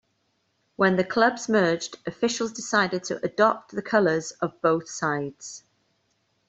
When the clubs merged, officials decided to adopt the colours of both sides.